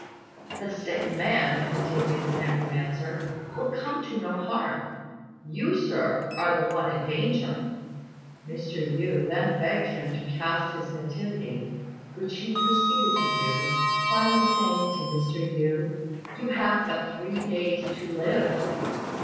"The sick man," continued the necromancer, "will come to no harm; you, Sir, are the one in danger." Mr. Yü then begged him to cast his nativity, which he proceeded to do, finally saying to Mr. Yü, "You have but three days to live!"